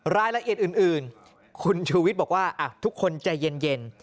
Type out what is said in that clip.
รายละเอียดอื่นคุณชูวิทย์บอกว่าทุกคนใจเย็น